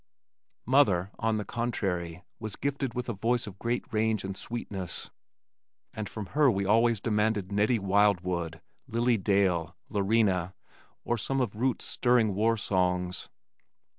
Mother, on the contrary, was gifted with a voice of great range and sweetness, and from her we always demanded Nettie Wildwood, Lily Dale, Lorena or some of Root's stirring war songs.